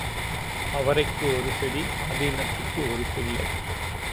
அவரைக்கு ஒரு செடி ஆதீனத்துக்கு ஒரு பிள்ளை.